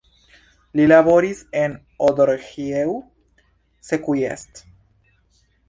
Li laboris en Odorheiu Secuiesc.